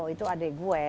itu adik gue